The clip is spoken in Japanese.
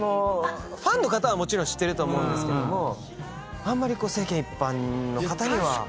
ファンの方はもちろん知ってると思うんですけどもあんまり世間一般の方には。